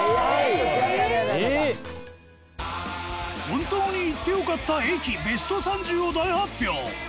本当に行ってよかった駅 ＢＥＳＴ３０ を大発表！